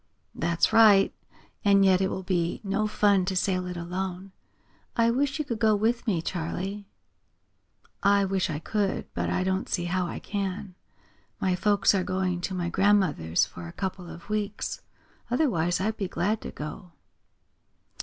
"That's right. And yet it will be no fun to sail it alone. I wish you could go with me, Charley." "I wish I could, but I don't see how I can. My folks are going to my grandmother's for a couple of weeks. Otherwise I'd be glad to go."